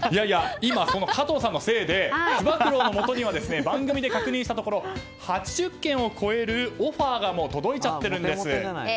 今、その加藤さんのせいでつば九郎のもとには番組で確認したところ８０件を超えるオファーが届いちゃってるんです。